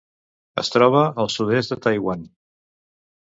Es troba al sud-est de Taiwan.